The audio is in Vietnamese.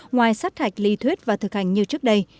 ngoài sát hạch lý thuyết và thực hành như trước đây